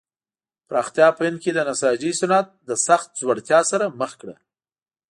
پراختیا په هند کې د نساجۍ صنعت له سخت ځوړتیا سره مخ کړ.